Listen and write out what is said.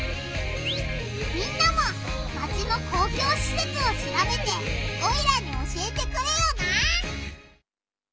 みんなもマチの公共しせつをしらべてオイラに教えてくれよな！